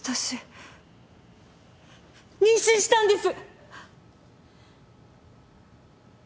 妊娠したんです！